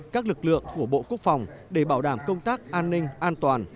các lực lượng của bộ quốc phòng để bảo đảm công tác an ninh an toàn